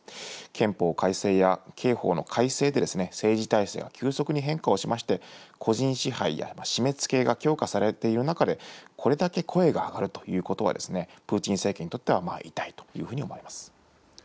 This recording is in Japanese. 憲法改正や刑法の改正で政治体制は急速に変化をしまして、個人支配や締めつけが強化されている中で、これだけ声が上がるということは、プーチン政権にとっては痛いというふうに思われます。